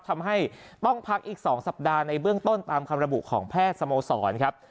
ทำให้ต้องพักอีก๒สัปดาห์ในเบื้องต้นตามคำระบุของแพทย์สโมสรครับ